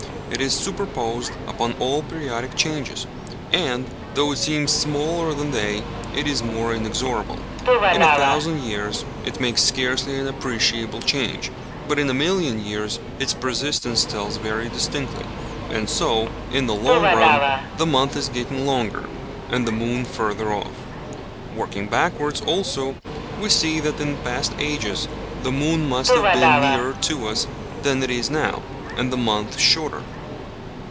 It is superposed upon all periodic changes, and, though it seems smaller than they, it is more inexorable. In a thousand years it makes scarcely an appreciable change, but in a million years its persistence tells very distinctly; and so, in the long run, the month is getting longer and the moon further off. Working backwards also, we see that in past ages the moon must have been nearer to us than it is now, and the month shorter.